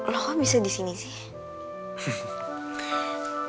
lo kok bisa disini sih